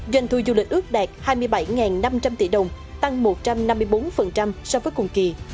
doanh thu du lịch ước đạt hai mươi bảy năm trăm linh tỷ đồng tăng một trăm năm mươi bốn so với cùng kỳ